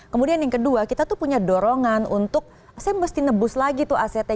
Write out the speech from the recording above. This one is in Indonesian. kemudian yang kedua kita tuh punya dorongan untuk saya mesti nebus lagi tuh asetnya